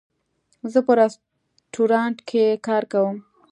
زه په رستورانټ کې کار کوم